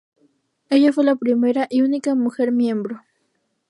Ella fue la primera y única mujer miembro.